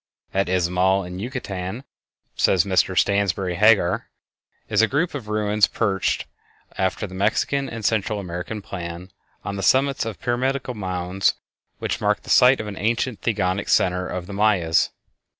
At Izamal, in Yucatan, says Mr Stansbury Hagar, is a group of ruins perched, after the Mexican and Central American plan, on the summits of pyramidal mounds which mark the site of an ancient theogonic center of the Mayas.